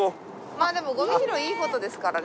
まあでもゴミ拾いいいことですからね。